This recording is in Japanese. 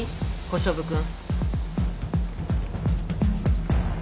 小勝負君。